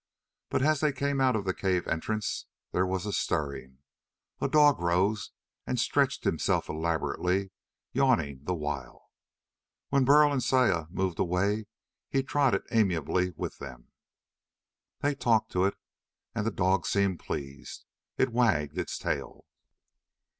But as they came out of the cave entrance there was a stirring. A dog rose and stretched himself elaborately, yawning the while. When Burl and Saya moved away, he trotted amiably with them. They talked to it, and the dog seemed pleased. It wagged its tail.